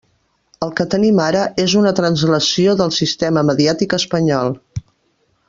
El que tenim ara és una translació del sistema mediàtic espanyol.